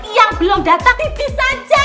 yang belum datang ini saja